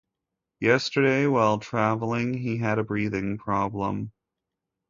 Yesterday while travelling he had a breathing problem.